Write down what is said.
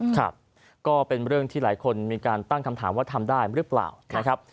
ครับก็เป็นเรื่องที่หลายคนมีการตั้งคำถามว่าทำได้หรือเปล่านะครับ